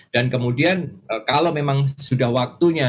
dan kemudian kalau memang sudah waktunya